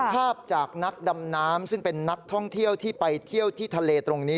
ภาพจากนักดำน้ำซึ่งเป็นนักท่องเที่ยวที่ไปเที่ยวที่ทะเลตรงนี้